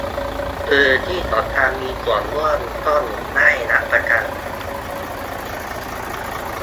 พื้นที่ของการมืส่วนร่วมต้องได้รับประกัน